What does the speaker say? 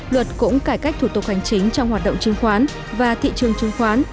luật cũng cải cách thủ tục hành chính trong hoạt động chứng khoán và thị trường chứng khoán